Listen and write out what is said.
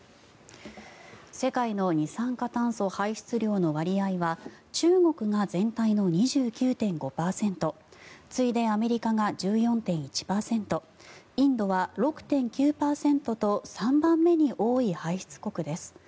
世界の二酸化炭素排出量の割合は中国が全体の２９．５％次いでアメリカが１４．１％インドは６．９％と３番目に多い排出国です。